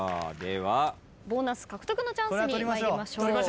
ボーナス獲得のチャンスに参りましょう。